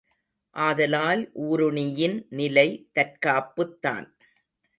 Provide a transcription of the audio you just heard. ஆதலால் ஊருணியின் நிலை தற்காப்புத்தான்.